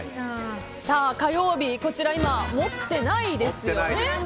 火曜日、今もってないですよね。